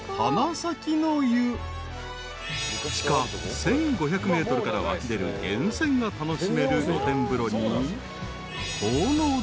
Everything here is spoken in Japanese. ［地下１，５００ｍから湧き出る源泉が楽しめる露天風呂に］